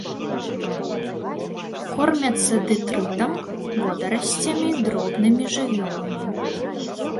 Кормяцца дэтрытам, водарасцямі, дробнымі жывёламі.